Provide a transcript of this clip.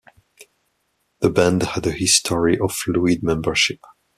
The band had a history of fluid membership.